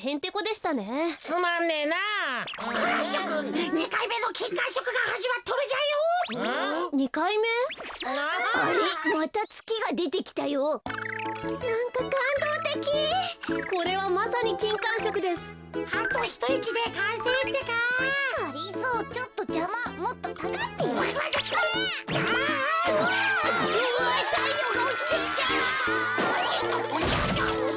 たいようがおちてきた。